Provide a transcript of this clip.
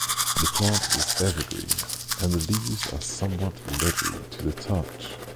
The plant is evergreen and the leaves are somewhat leathery to the touch.